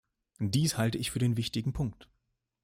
Dies halte ich für den wichtigen Punkt.